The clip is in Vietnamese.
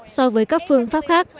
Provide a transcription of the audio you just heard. so với các phương pháp khác